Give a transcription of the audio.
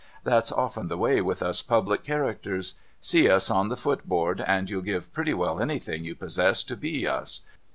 That's often the way with us public characters. See us on the footboard, and you'd give pretty well anything you possess to be us.